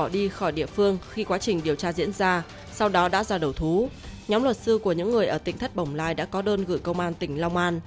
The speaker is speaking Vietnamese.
trong quá trình điều tra diễn ra sau đó đã ra đầu thú nhóm luật sư của những người ở tỉnh thắt bồng lai đã có đơn gửi công an tỉnh long an